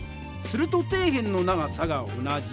すると底辺の長さが同じ。